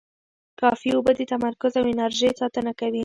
کافي اوبه د تمرکز او انرژۍ ساتنه کوي.